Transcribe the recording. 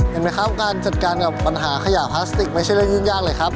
เห็นไหมครับการจัดการกับปัญหาขยะพลาสติกไม่ใช่เรื่องยิ่งยากเลยครับ